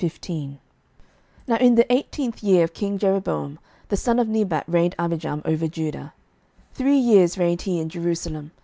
11:015:001 Now in the eighteenth year of king Jeroboam the son of Nebat reigned Abijam over Judah. 11:015:002 Three years reigned he in Jerusalem.